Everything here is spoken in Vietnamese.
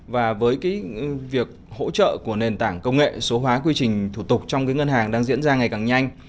và với việc hỗ trợ của nền tảng công nghệ số hóa quy trình thủ tục trong ngân hàng đang diễn ra ngày càng nhanh